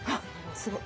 すごい。